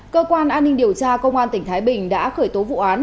cơ quan an ninh điều tra công an tỉnh thái bình đã khởi tố vụ án